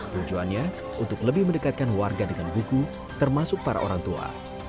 tujuannya untuk lebih mendekatkan warga dengan buku termasuk para orang tua